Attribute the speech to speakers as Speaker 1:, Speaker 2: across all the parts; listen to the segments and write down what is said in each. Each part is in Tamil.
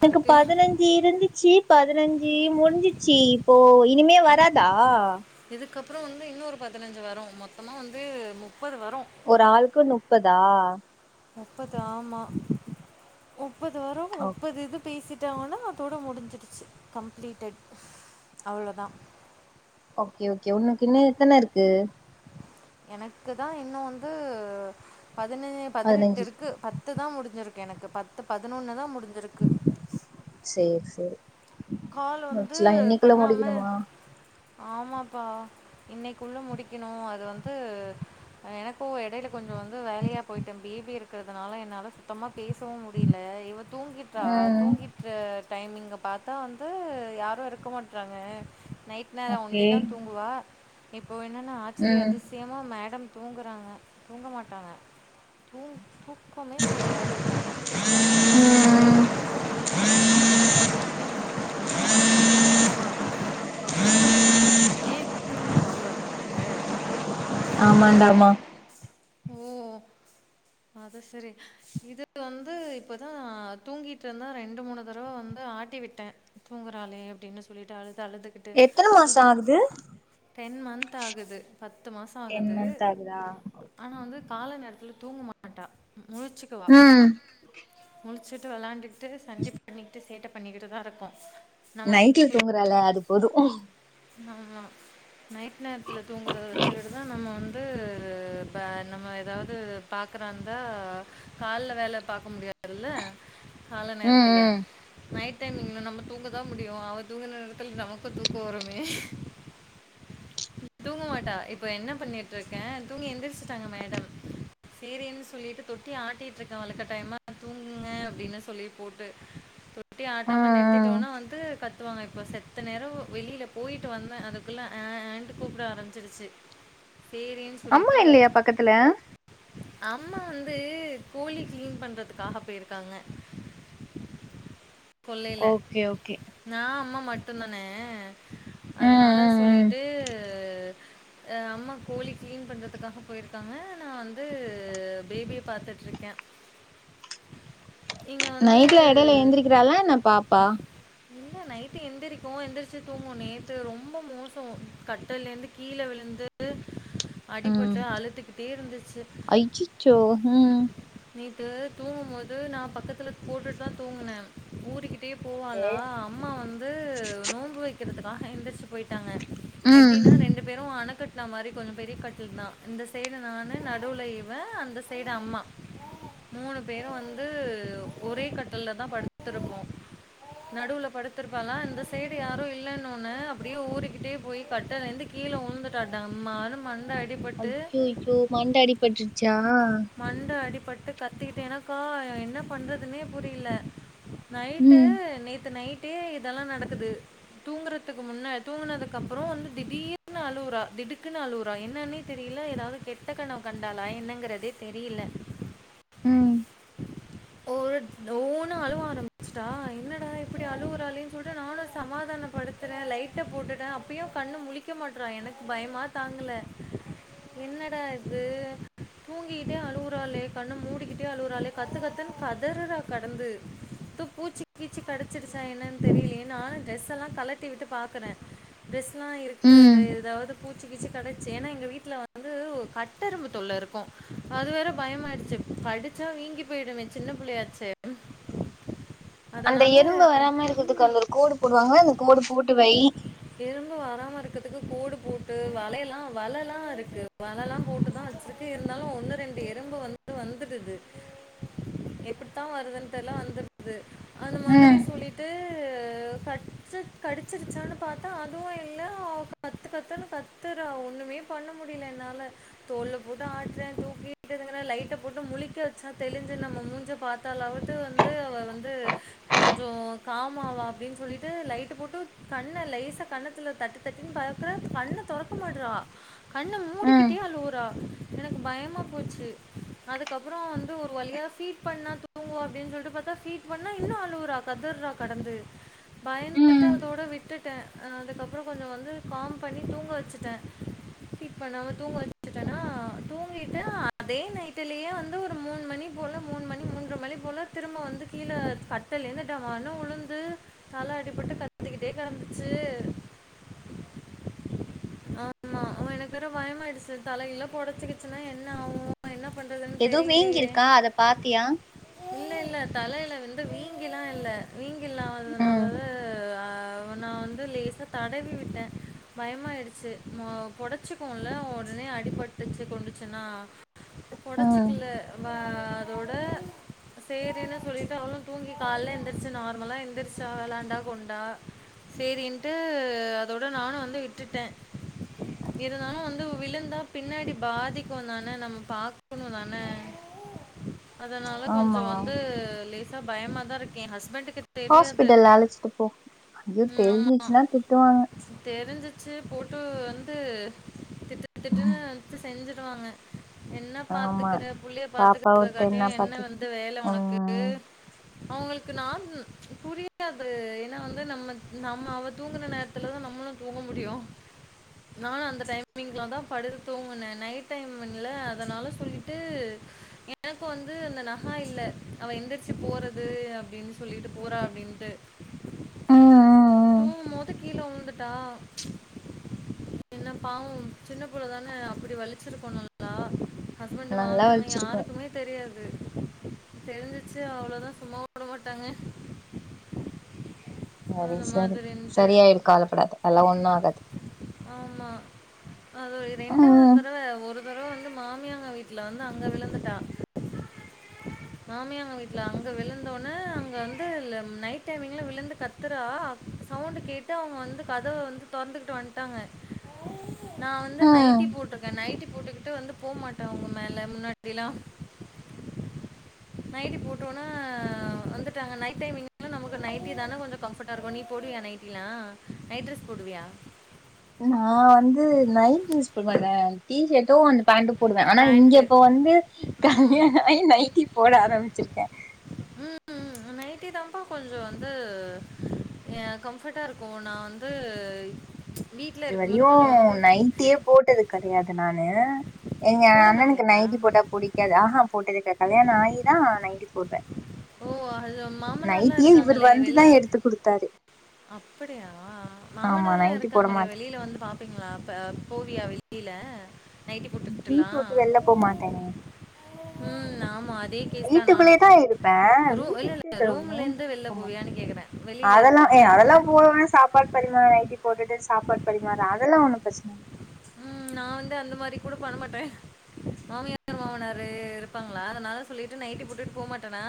Speaker 1: எனக்கு
Speaker 2: இருக்கு
Speaker 1: பதினஞ் இருந்துச்சு பதினஞ்சு முடிஞ்சிச்சு இப்போ இனிமே வராதா
Speaker 2: இதுக்கப்பறொ வந்து இன்னொரு பதினஞ்சு வரு மொத்தமா வந்து முப்பது வரு
Speaker 1: ஒரு ஆள்க்கு முப்பதா
Speaker 2: முப்பது ஆமா முப்பது வரு முப்பது இது பேசி வித்தாலு அதோட முடிஞ்சிடுச்சு கம்ப்ளீட்டட் அவ்ளோத
Speaker 1: ஓகே ஓகே உன்னுக்கு இன்னு எத்தன இருக்கு
Speaker 2: எனக்கு தா இன்னோ வந்து பதின பதினெட்டு
Speaker 1: பதினஞ்சு
Speaker 2: இருக்கு பத் து தா முடிஞ்சிருக்கு எனக்கு பத்து பதினொன்னு தா முடிஞ்சிருக்கு
Speaker 1: சேர் சேரி
Speaker 2: கால் வந்து
Speaker 1: முடிச்சலா இன்னைக்குள்ள
Speaker 2: பண்ணாம
Speaker 1: முடிக்கணுமா
Speaker 2: ஆமாப்பா இன்னிக்குள்ள முடிக்கணு அது வந்து அ எனக்கு எடையில கொஞ்சோ வந்து வேலயா போய்ட்டே பேபி இருக்கிறதுனால என்னால சுத்தமா பேசவு முடியில இவ தூங்கிட் [unintelligible]
Speaker 1: ம்
Speaker 2: தூங்கிட்று அ டைமிங்க பாத்தா வந்து யாரு இருக்க மாட்றாங்க நைட் நேரோ
Speaker 1: ஓகே
Speaker 2: ஒண்டி தா தூங்குவா இப்போ என்னன்னா ஆச்சரிய
Speaker 1: ம்
Speaker 2: அதிஸ் யமா மேடம் தூங்குறாங்க தூங்க மாட்டாங்க தூ தூக்கமே கடையாது
Speaker 1: ம் ம்
Speaker 2: ஆமா இருக்கு ஆமா தூங்கவே மாட்டா ஏ திரும்பியு கால் வர்தா ஒனக்கு
Speaker 1: ஆமான்டாமா
Speaker 2: ஓ அது செரி இது வந்து இப்பதா தூங்கிட்ருந்தா ரெண்டு மூணு தடவ வந்து ஆட்டிவிட்டே தூங்குறாளே அப்டின்னு சொல்லிட்டு அழுதா அழுதுகிட்
Speaker 1: எத்தன மாசோ ஆகுது
Speaker 2: டென் மந்த் ஆகுது பத்து மாசோ ஆகுது
Speaker 1: இதா
Speaker 2: ஆனா வந்து கால நேரத்துல தூங்க மாட்டா முழிச்சுக்குவா
Speaker 1: ம்
Speaker 2: முழிச்சுட்டு விளாண்டுகிட்டு சண்டி பண்ணிக்கிட்டு சேட்டை பண்ணிக்கிட்டுதா இருக்கு
Speaker 1: நைட்ல தூங்குறால அது போது
Speaker 2: ஆமா நைட் நேரத்துல தூங்குறத வச்சு கிட்டுதா நம்ம வந்து இப்ப நம்ம ஏதாவ்து பாக்குறாந்தா கால்ல வேல பாக்க முடியாதுல்ல கால நேரத்துல
Speaker 1: ம் ம்
Speaker 2: நைட் டைமிங் நம்ம தூங்க தா முடியு அவ தூங்கிற நேரத்துல நமக்கு தூக்கோ வரு மே தூங்க மாட்டா இப்ப என்ன பண்ணிட்ருக்கே தூங்கி எந்திரிச்சுட்டாங்க மேடம் சேரின் சொல்லிட்டு தொட்டி ஆட்டிட்ருக்கே வலுக்கட்டாயமா தூங்குங்க அப்டின்னு சொல்லி போட்டு தொட்டிய ஆட்டாம
Speaker 1: ம்
Speaker 2: நிறுத்திட்டோனா வந்து கத்துவாங்க இப்ப செத்த நேர வெளிலப் போய்ட்டு வந்தே அதுக்குள்ள ஆ அண்டு கூப்பிட ஆரம்பிச்சிருச்சு சேரின்
Speaker 1: அம்மா இல்லியா பக்கத்துல
Speaker 2: அம்மா வந்து கோழி கிளீன் பண்றதுக்காக போய்ருக்காங்க கொள்ளையில
Speaker 1: ஓகே ஓகே
Speaker 2: நா அம்மா மட்டு தானே
Speaker 1: ம்
Speaker 2: அதுனால
Speaker 1: ம் ம்
Speaker 2: சொல்லிட்டு அ அம்மா கோழி கிளீன் பண்றதுக்காக போய்ருக்காங்க நா வந்து பேபிய பாத்துட்ருக்கே வந்து
Speaker 1: நைட்ல எடையில எந்திரிக்கிறாளா என்ன பாப்பா
Speaker 2: இல்ல நைட்டுல எந்திரிக்கு எந்திரிச்சி தூங்கு நேத்து ரொம்ப மோசோ கட்டில்லேந்து கீழ விழுந்து
Speaker 1: ம்
Speaker 2: அடிபட்டு அழுத்துக்கிட்டே இருந்துச்சு
Speaker 1: ஐய்யச்சோ ம்
Speaker 2: நேத்து தூங் போது நா பக்கத்துல போட்டுட் தா தூங்குனே ஊரிக் டே போவானா அம்மா வந்து நோம்பு வைக்கிறதுக்காக எந்திரிச்சு போயிட்டாங்க
Speaker 1: ம்
Speaker 2: எப்டின்னா ரெண்டு பேரூ அணக்கட் இந்த மாதிரி கொஞ்சொ பெரிய கட்டில் தா இந்த சைடு நானு நடுவுல இவே அந்த சைடு அம்மா மூணு பேரூ வந்து ஒரே கட்டில்ல தா படுத்துருப்போ நடுவுல படுத்திருப்பாங்க இந்த சைடு யாரோ இல்லேன்னொன்னோ அப்படியே ஊறிக்கிட்டே போய் கட்டலந்து கீழே உழுந்துட்டா டம்மால்னு மண்
Speaker 1: அய்யய்யோ மண்ட அடிபட்டுருச்சா
Speaker 2: மண்ட அடிபட்டு கத்தக்கிட்டே தா இருக்கா எனக்கா என்ன பண்றதுனே புரில
Speaker 1: ம்
Speaker 2: நைட்டுஹு நேத்து நைட்டே இதெல்லா நடக்குது தூங்குறதுக்கு முன்னாட் தூங்குனதுக்கு அப்புறோ வந்து திடீர்ன் னு அழுவுரா திடுக்குன்னு அழுவுரா என்னன்னே தெரியல எதாவது கெட்ட கணவு கண்டாளா என்னங்கிறதே தெரியல
Speaker 1: ம்
Speaker 2: ஒரு ஓன்னு அழுவ ஆரம்பிச்சட்டா என்னடா இப்படி அழுவுறாளேன்னு சொல்லிட்டு நானூ சமாதானப் படுத்துறே லைட்ட போட்டுட்டே அப்பயூ கண்ணு முழிக்க மாட்டு்றா எனக்கு பயமா தாங்கல என்னடா இது தூங்கிக்கிட்டே அழுவுறாலே கண்ண மூடிக்கிட்டே அழுவுறாளே கத்து கத்துன்னு கதருறா கடந்து தூ பூச்சி கீச்சி கடுச்சிருச்சா என்னன்னு தெரியலே நானூ ட்ரெஸ் ல்லா கலட்டி விட்டு பாக்கறே டிரெஸ்ல்லா இருக்க
Speaker 1: ம்
Speaker 2: ஏதாவது பூச் ச்சி கீச்சி கடைச்சொ ஏன்னா எங்க வீட்ல வந்து கட்டரும்பு தொல்ல இருக்கூ அது வேற பயமாயிடுச்சு கடு ச்சா வீங்கி போயிடுமே சின்ன பிள்ளையாச்சே அதனால
Speaker 1: த்துக்காங்க அந்த கூர் போடுவாங்க அந்த கூர் போட்டு வை
Speaker 2: எறும்பு வராம இருக்கறதுக்கு கோடு போட்டு வலையல்லா வலைல்லா இருக்கு வலைல்லா போட்டு தா வெச்சிருக்கு இருந்தாலூ ஒண்ணு ரெண்டு எறும்பு வந்து வந்துடுது எப்பட்த்தா வருதுன் தெர்ல வந்துடுது அந்த மாதிரி
Speaker 1: ம்
Speaker 2: சொல்லிட்டு கட் ச்சு கடிச்சிருச்சானு பாத்தா அதுவூ இல்ல அவ கத்து கத்துன்னு கத்துற ஒன்னுமேப் பண்ண முடியல என்னால தோள்ல போட்டு ஆட்ரே தூக்கி வச்சுக்குறே லைட்ட போட்டு முழிக்க வச்சா தெளிஞ்சு நம்ம மூஞ்ச பாத் த்தாலாவது வந்து அவ வந்து கொஞ்சொ காமாவா அப்படின் சொல்லி து லைட்டு போட்டு கண்ண லேசா கண்ணத்துல தட்டி தட்டின்னு பக்குற கண்ண தெறக்க மாட்றா கண்ணெ
Speaker 1: ம்
Speaker 2: மூடிக்கிட்டே அழுவுரா எனக்கு பயமா போச்சு அதுக்கப்புறோ வந்து ஒரு வழியா ஃபீட் பண்ணா தூங் தூங்குவா அப்டின்னு சொல்ட்டு பாத்தா ஃபீட் பண்ணா இன்னூ அழுகுரா கதர்றா கடந்து பயந்துட்டு
Speaker 1: ம்
Speaker 2: அதோட விட்டுட்டே அ அதுக்கப்புறோ கொஞ்சொ வந்து காம் பண்ணி தூங்க வச்சுட்டே ஃபீட் பண்ணாம தூங்க வச்சுட்டேன்னா தூங்கிட்டு அதே நைட்டிலியெ வந்து ஒரு மூணு மணி போல மூணு மணி மூன்ற மணி போல திரும்ப வந்து கீழே கட்டிலிருந்து டமார்னு உழுந்து தல அடிப்பட்டு கத்துக்கிட்டே கடந்துச்சு ஆமா அப்ப எனக்கு வேற பயமயிடுச்சு தலகில பெடைச்சிக்குச்சுன்னா என்னா ஆகூ இப்ப என்ன பண்றதுன்னு
Speaker 1: ஏதோ
Speaker 2: தெரியலையே
Speaker 1: வீங்கிருக்கா அத பாத்தியா
Speaker 2: இல்ல இல்ல தலையில வந்து வீங்கிலா இல்ல
Speaker 1: ம்
Speaker 2: வீங்கில்லாததுனால ஆ அப நா வந்து லேசா தடவி விட்டே பயமா ஆயிடுச்சு மே பொடைச்சுக்குவேம்ல உடனே அடிபட்டுச்சு கொண்டுச்சுன்னா
Speaker 1: ம்
Speaker 2: பொடைச்சுக்கல பா அதோட சேரின்னு சொல்லிட்டு அவளூ தூங்கி கால்ல எந்திரிச்சு நார்மலா எந்திரச் சா விளாண்டா கொண்டா சேரின்ட்டு அதோட நானு வந்து விட்டுட்டே எதுனாலு வந்து விழுந்தா பின்னாடி பாதிக்கு தான நம்ம பாக்கணு தான அதனால
Speaker 1: ஆமா
Speaker 2: கொஞ்சோ வந்து லேசா பயமாதா இருக்கு எ ஹஸ்பண்டுக்கு தெரியாது
Speaker 1: ல அழச்சிட்டு போ அது தெரிஞ்சுச்சுன்னா திட்டுவாங்க
Speaker 2: தெருஞ்சு ச்சு போட்டு வந்து திட்டுத்திட்டுன்னு வச்சு செஞ்சுடுவாங்க என்ன
Speaker 1: ஆமா
Speaker 2: பாத்துக்குற புள்ளய
Speaker 1: பாப்பாவ
Speaker 2: பாத்துக்கறத
Speaker 1: விட்டு
Speaker 2: காட்டியு என்ன
Speaker 1: பாத்து
Speaker 2: வந்து வேல ஒனக்கு கு
Speaker 1: ம்
Speaker 2: அவுங்களுக்கு நான் புரிய யாது ஏன்னா வந்து நம்ம அவ தூங்குற நேரத்துலதா நம்மளு தூங்க முடியு நானு அந்த டைமிங்ல தா படுத்து தூங்குனே நைட் டைம்மிங்ல அதனால சொல்லிட்டு எனக்கு வந்து அந்த நகா இல்ல அவ எந்துருச்சு போறது அப்டின்னு சொல்லிட்டு போறா அப்டின்னு ட்டு
Speaker 1: ம் ம் ம்
Speaker 2: தூங்கும் போது கீழ விழுந்துட்டா என்ன பாவம் சின்ன புள்ளதான அப்டி வலிச்சிருக்கு நல்லா ஹஸ்பண்ட்டு
Speaker 1: நல்லா
Speaker 2: மாமியா அதெல்லா
Speaker 1: வலிச்சிருக்கு
Speaker 2: யாருக்குமே தெரியாது தெரிஞ்சுச்சு அவ்ளோதா சும்மா விட மாட்டாங்க
Speaker 1: சரி
Speaker 2: அந்த
Speaker 1: சரி
Speaker 2: மாதிரின்ட்டு.
Speaker 1: சரியாயிரு கவலப்படாத அதெல்லா ஒன்னு ஆகாது
Speaker 2: ஆமா அது ரெண்டாவது
Speaker 1: ம்
Speaker 2: தடவ ஒரு தடவ வந்து மாமியாங்க வீட்டுல வந்து அங்க விழுந்துட்டா மாமியங்க வீட்ல அங்க விழுந்தோன அங்க வந்து நைட் டைமிங்ல விழுந்து கத்துற சவுண்ட்டு கேட்டு அவுங்க வந்து கதவ வந்து தொறந்துகிட்டு வந்துட்டாங்க நா வந்து
Speaker 1: ம்
Speaker 2: நைட்டி போட்ருக்கே நைட்டி போட்டுக்கிட்டு வந்து போமாட்டே உங்க மேல முன்னாடிலா நைட்டி போட்டோனா வந்துட்டாங்க நைட் டைம் நமக்கு நைட்டி தான கொஞ்சோ ஃகம்போட்டா இருக்கு நீ போடுவியா நைட்டில்லா நைட் ட்ரெஸ் போடுவியா
Speaker 1: நா வந்து நைட்டி யூஸ் பண்ண மாட்டே டீ ஷட்டு அந்த பேண்டு போடுவே ஆனா இங்க
Speaker 2: பேண்ட்டு.
Speaker 1: இப்ப வந்து
Speaker 2: ம்.
Speaker 1: கல்யாண ஆயி நைட்டி போட ஆரம்பிச்சிருக்கே
Speaker 2: உம் உம் நைட்டி தாப்பா கொஞ்சோ வந்து ஏ கம்ஃபட்டா இருக்கு நா வந்து வீட்ல இருக்கும்போது
Speaker 1: இதுவரையு
Speaker 2: கொஞ்சம் வந்து ஃப்ரீ
Speaker 1: நைட்டியே போட்டது கெடயாது நானு எங்க
Speaker 2: போட
Speaker 1: அண்ணனுக்கு
Speaker 2: மாட்டியா?
Speaker 1: நைட்டி போட்டா புடிக்காது ஆஹா போட்டதே இல்ல கல்யாண ஆயி தா நைட்டி போட்டே
Speaker 2: ஓ அது மாமனாரெல்லா
Speaker 1: இவர்
Speaker 2: இருக்காங்களே
Speaker 1: வந்துதா
Speaker 2: வெளில்ல
Speaker 1: எடுத்து குடுத்தாரு
Speaker 2: அப்படியா
Speaker 1: ஆமா
Speaker 2: மாமானாரெல்லா
Speaker 1: நைட்டி போட
Speaker 2: இருக்காங்ளே
Speaker 1: மாட்டே
Speaker 2: வெளியில வந்து பா அப்ப போவியா வெளியில நைட்டி போட்டுகிட்டுல்லா
Speaker 1: வீட்ட விட்டு வெளில போ மாட்டேனே
Speaker 2: ம் ஆமா அதே கேஸ் தா நானு
Speaker 1: வீட்டுக்குள்ளேயேதா இருப்பே
Speaker 2: ரூ
Speaker 1: வீட்ட
Speaker 2: இல்ல இல்ல
Speaker 1: விட்டு
Speaker 2: ரூம்ல
Speaker 1: மெயின்
Speaker 2: இருந்து
Speaker 1: ரூம்க்கு
Speaker 2: வெளில
Speaker 1: போ
Speaker 2: போவியான்னு கேக்குறே வெளியில இருப்பாங்கள
Speaker 1: போவே சாப்பாடு பரிமாறுவே நைட்டி போட்டுட்டு சாப்பாடு பரிமாறுவே அதெல்லா ஒன்னு பிரச்சன இல்ல
Speaker 2: உம் நா வந்து அந்த மாரி கூட பண்ணமாட்டே மாமியார் மாமனாரு இருப்பாங்களா அதனால சொல்லிட்டு நைட்டி போட்டுட்டு போமாட்டேனா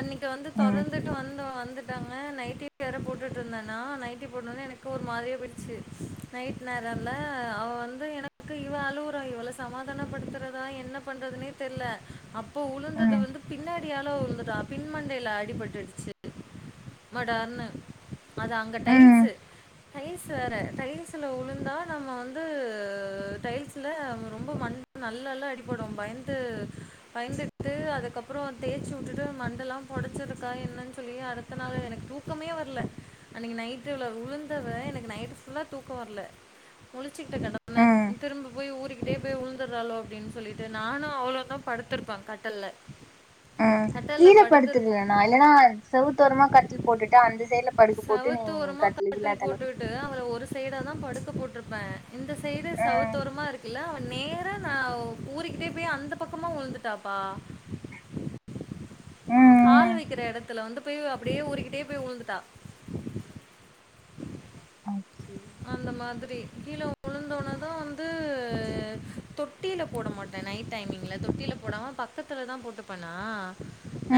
Speaker 2: இன்னைக்கு வந்து
Speaker 1: ம்
Speaker 2: தொடர்ந்துட்டு வந்து வந்துட்டு ட்டாங்க நைட்டி வேற போட்டுட்டு இருந்தனா நைட்டி போட்டவுனே எனக்கு ஒரு மாதிரியா போயிடுச்சு நைட் நேர அவ வந்து எனக்கு இவ அலுவுறா இவள சமாதானப்படுத்துறதா என்ன பண்றதுன்னே தெர்ல்ல அப்போ உளுந்தது
Speaker 1: ம்
Speaker 2: வந்து பின்னாடி உண்மையாலே ‌ விழுந்துட்டா பின்மண்டையில அடிபட்டுருச்சு மடார்னு அவ அங்க
Speaker 1: ம்
Speaker 2: டைல்ஸ்ஸு டைல்ஸ் வேற டைல்ஸ்ல உழுந் தா நம்ம வந்து டைல்ஸ்ல ரொம்ப மண் நல்லல்லா அடிப்படும் பய்ந்து பயந்துக்கிட்டு அதுக்கப்புறோ தேச்சு உட்டுட்டு மண்டல்லா பொடச்சிருக்கா என்னன் சொல்லி அத அதனால எனக்கு தூக்கமே வர்ல அன்னைக்கு நைட்ல விழுந்தவ எனக்கு நைட்டு ஃபுல்லா தூக்கோ வர்ல முழிச்சுக்கிட்டு கடந்த
Speaker 1: ம்
Speaker 2: திரும்ப போய் ஊறிக்கிட்டே போய் உழுந்துறாளோ அப்டின் சொல்லிட்டு நானு அவ்ளோ தா படுத்துருப்போ கட்டல்ல
Speaker 1: அ கீழ படுத்துர்லன்னா இல்லன்னா செவுத்தோரமா கட்டுல் போட்டுட்டு அந்த சைட்ல படுக்க போட்டு நீ கட்லுக் கீழ தல
Speaker 2: எதா ஒரு சைடா தா படுக்க போட்ருப்ப இந்த சைடு
Speaker 1: ம்
Speaker 2: செவுத்தோரமா இருக்குல்ல அவ நேர் ரா நா ஊறிக்கிட்டே போய் அந்த பக்கமா உழுந்துட்டாப்பா
Speaker 1: ம்
Speaker 2: கால் வைக்கிற எடத்துல வந்து போய் அப்டியே ஊறிக்கிட்டே போய் உழுந்துட்டா [inaudible]
Speaker 1: அ செரிங்க
Speaker 2: அந்த மாதிரி கீழ உழுந்தோன தா வந்து தொட்டில போட மாட் டா நைட் டைமிங்ல தொட்டில போடாம பக்கத்துல தா போட்டுப்பனா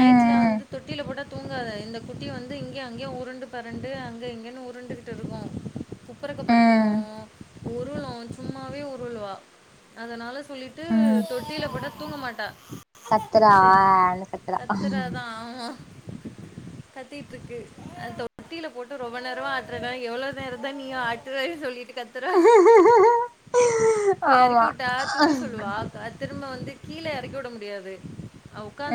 Speaker 1: ம் ம்
Speaker 2: வந்து தொட்டில போட்டா தூங்காது இந்த குட்டி வந்து இங்கே அங்கேயு உருண்டு பேரண்டு அங்கே இங்கேன்னு உருண்டுக்கிட்டு இருக்கோ குப்பரக்க
Speaker 1: ம்
Speaker 2: படுத்துக்கும் உருளும் சும்மாவே உருள்வா அதனால சொல்லிட்டு தொட்டில போட்டா தூங்க மாட்டா
Speaker 1: கத்தறா ஆன்னு கத்துறா
Speaker 2: கத்துறாதா ஆமா கத்திட்ருக்கு அந்த தொட்டில போட்டு ரொம்ப நேரம்மா ஆட்றனா எவ்ளோ நேரம் தா நீயும் ஆட்டுவ சொல்லிட்டு கத் த்துறா இப்ப எறக்கி
Speaker 1: ஆமா
Speaker 2: விட்டா தூக்க சொல்லுவா வா திரும்ப வந்து கீழ எறக்கிவுட முடியாது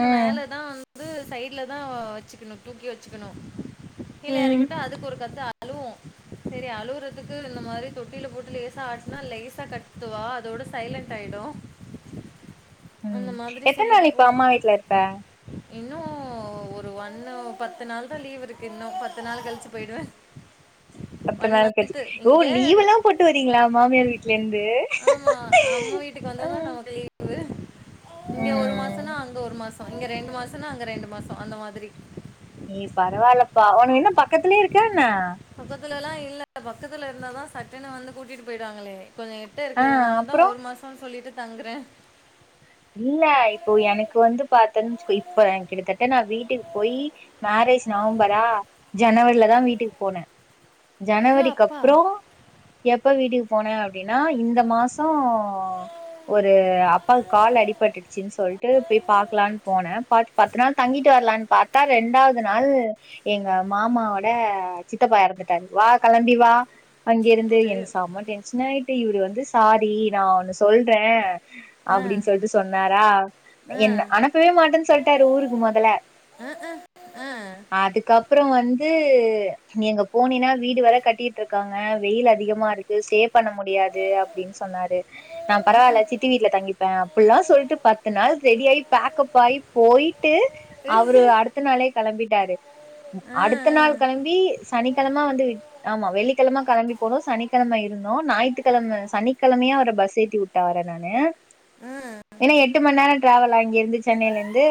Speaker 1: ம்
Speaker 2: மேல தா வந்து சைட்ல தா வச்சுக்கனு தூக்கி வச்சுக்கனு கீழ எறக்கி
Speaker 1: ம்
Speaker 2: விட்டா அதுக்கு ஒரு கத்து அழுவும் சேரி அழுவுறதுக்கு இந்த மாரி தொட்டில போட்டு லேசா ஆட்னா லேசா கத்துவா அதோட சைலன்ட் ஆய்டோ
Speaker 1: ம் எத்தன் நாள் இப்போ அம்மா வீட்ல இருப்ப
Speaker 2: இன்னும் ஒரு ஒண்ணு பத்து நாள் தா லீவ் இருக்கு இன்னும் பத்து நாள் கழிச்சு போயிடுவ [inaudible]
Speaker 1: பத்து நாள் கழ்ச்சி ஓ லீவ்வெல்லா போட்டு வரீங்ளா மாமியார் வீட்லந்து
Speaker 2: ஆமா அம்மா வீட்டுக்கு வந்தா தா நமக்கு லீவு இங்க ஒரு
Speaker 1: ம்
Speaker 2: மாசம்னா அங்க ஒரு மாஸ் இங்க ரெண்டு மாசம்னா அங்க ரெண்டு மாசம் அந்த மாதிரி
Speaker 1: நீ பரவால்லப்பா உனக் என்ன பக்கத்லயே இருக்கான்ன
Speaker 2: பக்கத்துலல்லா இல்ல பக்கத்துல இருந்தா தா சட்டுன்னு வந்து கூட்டிட்டு போயிடுவாங்ளே கொஞ்ச நேர் எட்ட
Speaker 1: ஆ
Speaker 2: இருக்கதுனால் தா
Speaker 1: அப்புறோ
Speaker 2: ஒரு மாசம்னு சொல்லிட்டு தங்குற
Speaker 1: இல்ல இப்போ எனக்கு வந்து பாத்தேன் வச்சுக்கோ இப்ப என் கிட்டத்தட்ட நா வீட்டுக்கு போயி மேரேஜ் நவம்பரா ஜனவரில தா வீட்டுக்கு போன
Speaker 2: ஐயோ அப்பா
Speaker 1: ஜனவரிக்கப்புறோ எப்ப வீட்டுக்கு போன அப்டின்னா இந்த மாசம் ஒரு அப்பாவ்க் குல அடிபட்டுட் சின் சொல்ட்டு போய் பாக்கலான் போன பாத் பத்து நாள் தங்கிட்டு வர்லான் பாத்தா ரெண்டாவ்து நாள் எங்க மாமாவோட சித்தப்பா எறந்துட்டாரு வா கெளம்பி வா அங்கிருந்து
Speaker 2: சூப்பர்
Speaker 1: எனக்கு செம்ம டென்ஷனாயிட்டு இவுரு வந்து சாரி நா ஒன்னு சொல்றே
Speaker 2: ஆ
Speaker 1: அப்டின் சொல்ட்டு சொன்னாரா
Speaker 2: ஆ
Speaker 1: என்ன அனுப்பவே மாட்டேன் சொல்ட்டாரு ஊருக்கு மொதல
Speaker 2: அ
Speaker 1: அதுக்கப்பறோ வந்து நீ அங்கப் போனீனா வீடு வேறக் கட்டிட்ருக்காங்க வெயில் அதிகமாருக் கு ஸ்டே பண்ண முடியாது அப்டின் சொன்னாரு நாம் பரவால்ல சித்தி வீட்ல தங்கிப் அப்புல்லா சொல்ட்டுப் பத்து நாள் ரெடி ஆயி பேக்ப்பாயி போயிட்டு
Speaker 2: ஆ
Speaker 1: அவுரு க அடுத்த நாளே கெளம்பிட்டாரு
Speaker 2: அஹ்
Speaker 1: அடுத்த நாள் கெளம்பி சனிக்கெழம வந்து விட் ஆமா வெள்ளிக்கெழம கெளம்பிப் போனு சனிக்கெழம இருந்தோ ஞாயித்துக்கெழம சனிக்கெழமயே அவர பஸ் ஏத்தி வுட் டார நானு
Speaker 2: அ
Speaker 1: ஏன்னா எட்டு மண் நேரோ டிராவெல் அங்கிருந்து சென்னைலந்து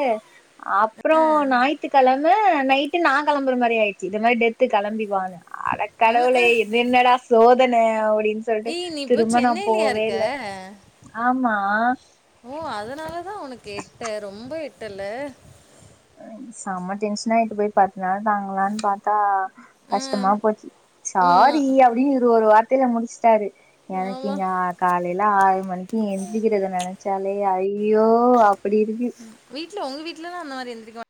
Speaker 1: அப்றோ ஞாயித்துக்கெழம நைட்டு நா கெளம்புற மாரி ஆயிட்ச்சி இந்த மாரி டெத்து கெளம்பி வானு அடக்
Speaker 2: அஹ்.
Speaker 1: கடவுளே இது என்னடா சோதன அப்டின்ச் சொல்ட்டு
Speaker 2: ஏய் நீ இப்போ
Speaker 1: திரும்ப நாப்
Speaker 2: சென்னையிலயா இருக்க
Speaker 1: போவேல்ல ஆமா
Speaker 2: ஓ அதனாலதா ஒனக்கு எட்ட ரொம்ப எட்டல்ல
Speaker 1: செம்ம டென்சனாயிட்டு போய் பத்து நாள் தாங்கலான் பாத்தா
Speaker 2: ஆ
Speaker 1: கஷ்டமா போச்சி
Speaker 2: ஆமா
Speaker 1: சாரி அப்டினு இவுரு ஒரு வார்த்தைல முடிச்ட்டாரு
Speaker 2: ஆமா
Speaker 1: எனக்கிங்க ஆ காலைல ஆறு மணிக்கி எந்த்ரிக்கிறத நெனச்சாலே ஐயோ அப்பிடி இருக்கு
Speaker 2: வீட்ல ஒங்க வீட்லலா அந்த மாரி எந்த்ரிக்க மா